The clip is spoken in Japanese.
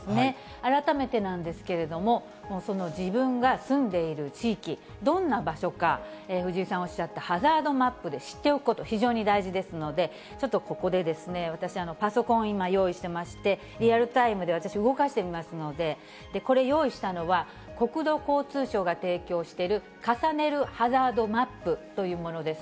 改めてなんですけれども、その自分が住んでいる地域、どんな場所か、藤井さんおっしゃったハザードマップで知っておくこと、非常に大事ですので、ちょっとここでですね、私、パソコンを今、用意してまして、リアルタイムで私、動かしてみますので、これ用意したのは、国土交通省が提供している重ねるハザードマップというものです。